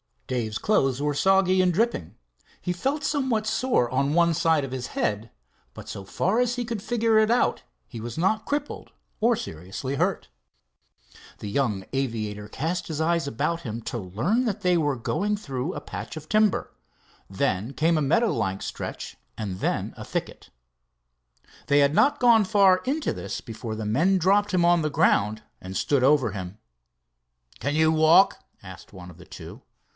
Dave's clothes were soggy and dripping. He felt somewhat sore on one side of his head, but so far as he could figure it out he was not crippled; or seriously hurt. The young aviator cast his eyes about him to, learn that they were going through a patch of timber. Then came a meadow like stretch, and then a thicket. They had not gone far into that before the men dropped him on the ground and stood over him. "Can you walk?" asked one of the two.